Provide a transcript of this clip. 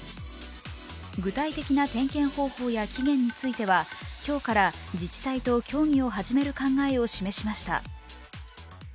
具体的な点検方法や期限については今日から自治体と協議を始める考えを示しました。